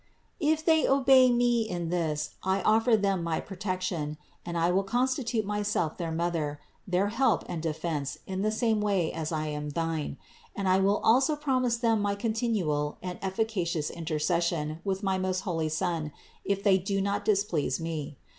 If they obey me in this I offer them my protection, and I will constitute myself their Mother, their help and defense in the same way as I am thine, and I will also promise them my continual and efficacious inter cession with my most holy Son, if they do not displease me.